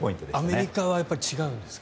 アメリカは違うんですか？